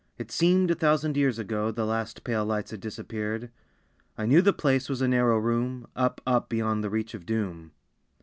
It seemed a thousand years ago The last pale lights had disappeared. I knew the place was a narrow room Up, up beyond the reach of doom.